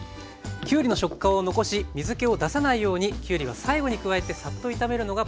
きゅうりの食感を残し水けを出さないようにきゅうりは最後に加えてサッと炒めるのがポイントでした。